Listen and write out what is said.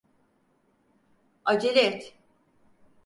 Acele et.